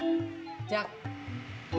oh jak lagi kaget duit